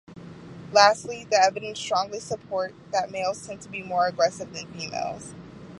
Lastly, the evidence strongly supports that males tend to be more aggressive than females.